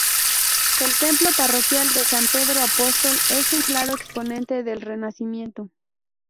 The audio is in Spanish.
El templo parroquial de San Pedro Apóstol es un claro exponente del Renacimiento.